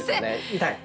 痛い？